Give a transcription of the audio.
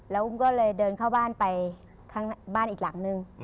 แล้วอุ้มก็เลยเดินเข้าบ้านไปข้างบ้านอีกหลังนึง